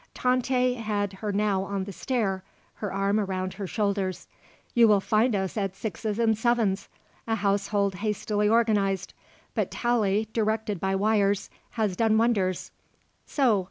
Tante had her now on the stair her arm around her shoulders. "You will find us at sixes and sevens; a household hastily organized, but Tallie, directed by wires, has done wonders. So.